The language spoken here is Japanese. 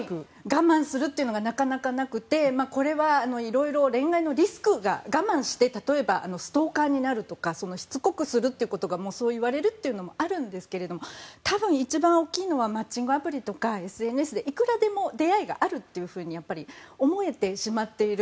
我慢するというのがなかなかなくてこれはいろいろ恋愛のリスクが我慢して例えばストーカーになるとかしつこくするということがそう言われるというのもあるんですけど多分一番大きいのはマッチングアプリとかＳＮＳでいくらでも出会いがあると思ってしまっている。